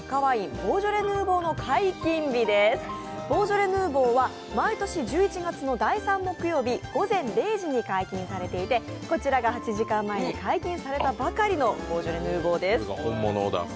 ボージョレ・ヌーボーは毎年１１月の第３木曜日午前０時に解禁されていてこちらが８時間前に解禁されたばかりのボージョレ・ヌーボーです。